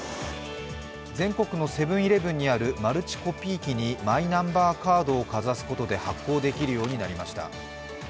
全国のセブン−イレブンにあるマルチコピー機にマイナンバーカードをかざすことで発行できるようになりました。